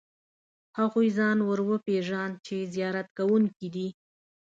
هغوی ځان ور وپېژاند چې زیارت کوونکي دي.